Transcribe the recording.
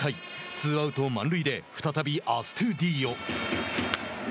ツーアウト、満塁で再びアストゥディーヨ。